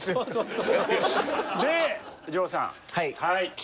はい。